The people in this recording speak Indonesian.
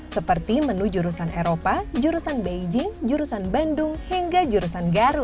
seperti menuju jurusan eropa jurusan beijing jurusan bandung hingga jurusan garut